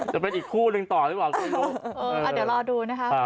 จะเป็นอีกคู่หนึ่งต่อดีกว่าเอาเดี๋ยวรอดูนะคะ